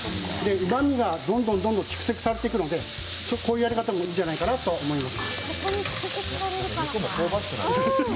うまみがどんどん蓄積されているので、こういうやり方もいいのかなと思います。